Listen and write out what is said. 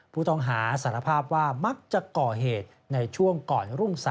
ผู้ต้องหาสารภาพว่ามักจะก่อเหตุในช่วงก่อนรุ่ง๓